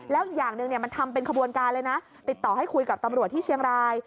แล้วอย่างหนึ่งมันทำเป็นขบวนการเลยนะติดต่อให้คุยกับตำรวจที่เชียงราย